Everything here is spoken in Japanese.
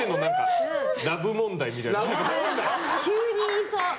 急に言いそう。